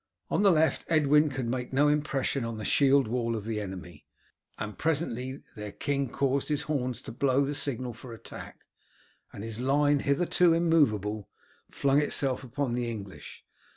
On the left Edwin could make no impression on the shield wall of the enemy, and presently their king caused his horns to blow the signal for attack, and his line, hitherto immovable, flung itself on the English.